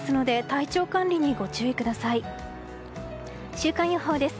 週間予報です。